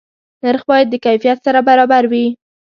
نرخ باید د کیفیت سره برابر وي.